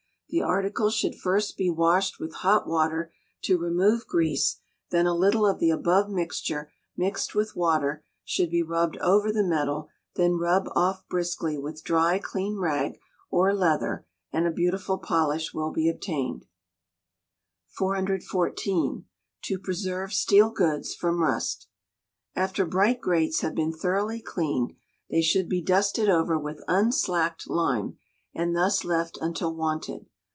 The articles should first be washed with hot water, to remove grease; then a little of the above mixture, mixed with water, should be rubbed over the metal; then rub off briskly with dry, clean rag or leather, and a beautiful polish will be obtained. 414. To preserve Steel Goods from Rust. After bright grates have been thoroughly cleaned, they should be dusted over with unslacked lime, and thus left until wanted.